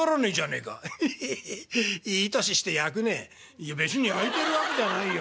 「いや別にやいてるわけじゃないよ。